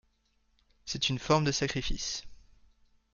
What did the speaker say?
C'est une forme de sacrifice.